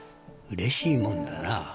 うれしいもんだな。